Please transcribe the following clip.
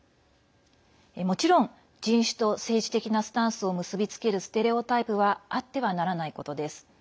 もちろん、人種と政治的なスタンスを結び付けるステレオタイプはあってはならないことです。